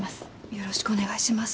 よろしくお願いします。